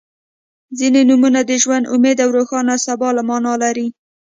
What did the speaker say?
• ځینې نومونه د ژوند، امید او روښانه سبا معنا لري.